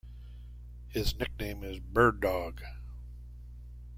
His nickname is Bird Dogg.